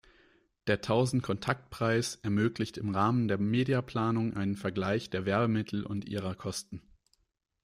Der Tausend-Kontakt-Preis ermöglicht im Rahmen der Mediaplanung einen Vergleich der Werbemittel und ihrer Kosten.